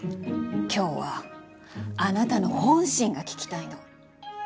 今日はあなたの本心が聞きたいの。